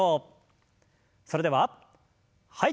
それでははい。